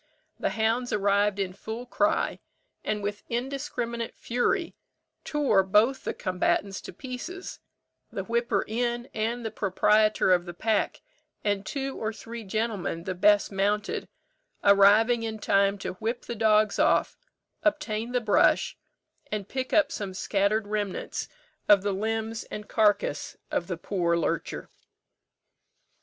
The hounds arrived in full cry, and with indiscriminate fury tore both the combatants to pieces; the whipper in, and the proprietor of the pack, and two or three gentlemen the best mounted, arriving in time to whip the dogs off, obtain the brush, and pick up some scattered remnants of the limbs and carcase of the poor lurcher.